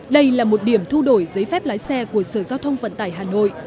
đây là một điểm thu đổi giấy phép lái xe của sở giao thông vận tải hà nội